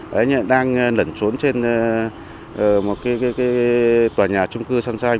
đấy như là đang lẩn xuống trên một cái tòa nhà trung cư săn xanh